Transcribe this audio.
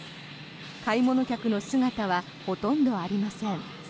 買い物客の姿はほとんどありません。